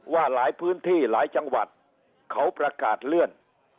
ว่าหลายพื้นที่หลายจังหวัดเขาประกาศเลื่อน